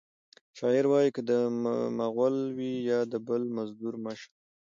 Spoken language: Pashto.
شاعر وایی که د مغل وي یا د بل مزدور مه شه